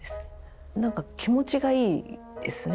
何か気持ちがいいですね。